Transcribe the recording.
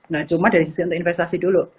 nah cuma dari sisi untuk investasi dulu